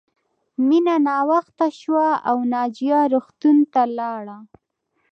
مینه ناوخته شوه او ناجیه روغتون ته لاړه